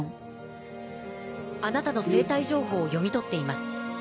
あなたの生体情報を読み取っています。